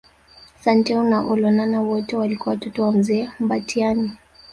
Santeu na Olonana wote walikuwa Watoto wa mzee Mbatiany